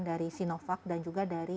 dari sinovac dan juga dari